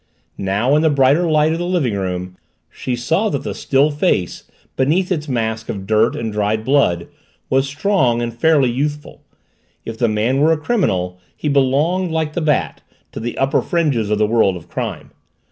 Now, in the brighter light of the living room she saw that the still face, beneath its mask of dirt and dried blood, was strong and fairly youthful; if the man were a criminal, he belonged, like the Bat, to the upper fringes of the world of crime.